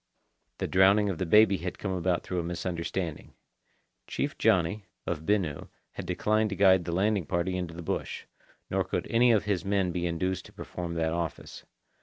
The drowning of the baby had come about through a misunderstanding. Chief Johnny, of Binu, had declined to guide the landing party into the bush, nor could any of his men be induced to perform that office.